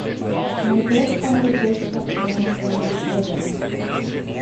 My grandfather just shut down from depression.